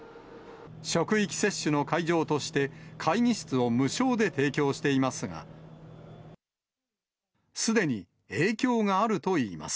職域接種の会場として、会議室を無償で提供していますが、すでに影響があるといいます。